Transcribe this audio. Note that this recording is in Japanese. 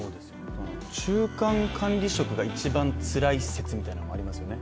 中間管理職が一番つらい説みたいなのがありますよね。